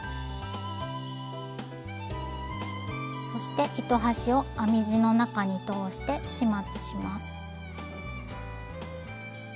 そして糸端を編み地の中に通して始末します。